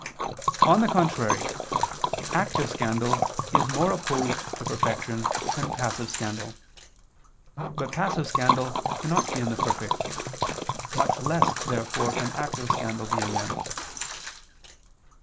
On the contrary, Active scandal is more opposed to perfection, than passive scandal. But passive scandal cannot be in the perfect. Much less, therefore, can active scandal be in them.